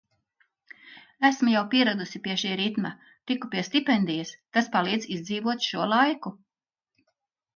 Esmu jau pieradusi pie šī ritma. Tiku pie stipendijas, tas palīdz izdzīvot šo laiku.